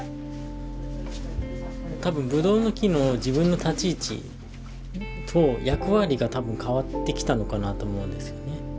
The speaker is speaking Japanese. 多分ぶどうの木の自分の立ち位置と役割が多分変わってきたのかなと思うんですよね。